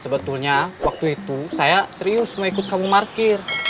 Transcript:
sebetulnya waktu itu saya serius mau ikut kamu markir